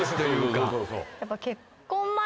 やっぱ結婚前。